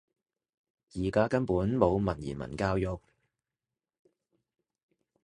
而家根本冇文言文教育